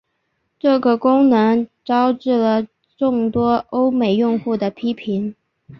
这个功能招致了众多欧美用户的批评。